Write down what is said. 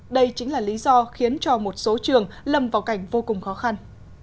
đây chính là lý do khiến cho một số trường lâm vào cảnh vô cùng khó khăn